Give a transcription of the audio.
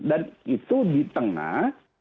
dan itu di tengah